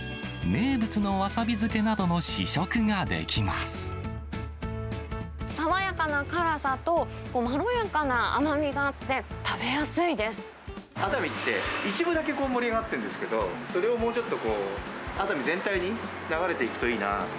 名物のわさび漬けなどの試食がで爽やかな辛さと、まろやかな熱海って、一部だけ盛り上がってるんですけど、それをもうちょっとこう、熱海全体に流れていくといいなと。